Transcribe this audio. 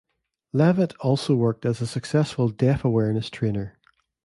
Levitt also worked as a successful Deaf Awareness trainer.